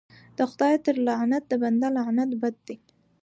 د خداى تر لعنت د بنده لعنت بد دى.